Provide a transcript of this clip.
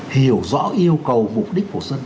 hiểu rõ yêu cầu mục đích của dân